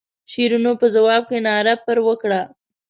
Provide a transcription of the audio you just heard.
شیرینو په ځواب کې ناره پر وکړه.